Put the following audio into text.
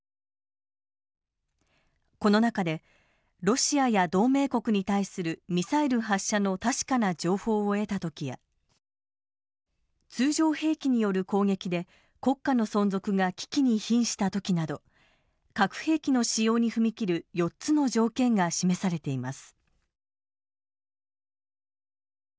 この中でロシアや同盟国に対するミサイル発射の確かな情報を得たときや通常兵器による攻撃で国家の存続が危機にひんしたときなど核兵器の使用に踏み切る４つの条件が示されています。